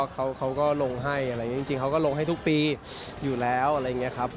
เขาก็ลงให้จริงเขาก็ลงให้ทุกปีอยู่แล้วอะไรอย่างนี้ครับ